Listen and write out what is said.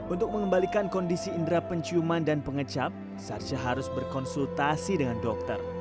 untuk mengembalikan kondisi indera penciuman dan pengecap sarsya harus berkonsultasi dengan dokter